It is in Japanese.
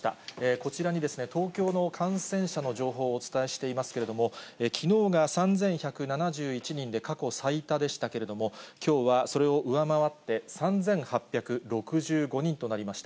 こちらに東京の感染者の情報をお伝えしていますけれども、きのうが３１７７人で過去最多でしたけれども、きょうはそれを上回って、３８６５人となりました。